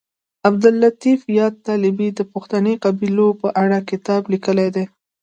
عبداللطیف یاد طالبي د پښتني قبیلو په اړه کتاب لیکلی دی